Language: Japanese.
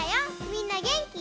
みんなげんき？